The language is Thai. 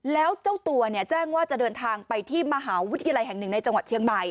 แล้วเจ้าตัวแจ้งว่าจะเดินทางไปที่มหาวิทยาลัยแห่งหนึ่งในจังหวัดเชียงใหม่